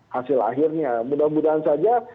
hasil akhirnya mudah mudahan saja